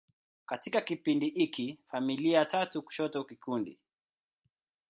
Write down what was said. Katika kipindi hiki, familia tatu kushoto kikundi.